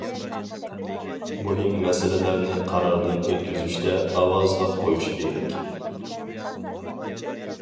مۇھىم مەسىلىلەرنى قاراردىن ئۆتكۈزۈشتە، ئاۋازغا قويۇش كېرەك.